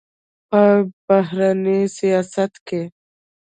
په بهرني سیاست کې